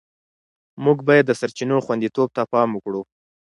موږ باید د سرچینو خوندیتوب ته پام وکړو.